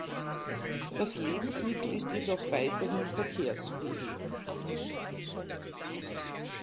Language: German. Das Lebensmittel ist jedoch weiterhin verkehrsfähig.